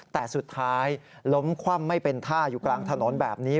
แต่สุดท้ายล้มคว่ำไม่เป็นท่าอยู่กลางถนนแบบนี้